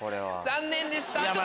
残念でした！